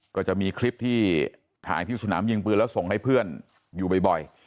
ก็จะมีคลิปที่ถ่ายที่สนามยิงปืนแล้วส่งให้เพื่อนอยู่บ่อย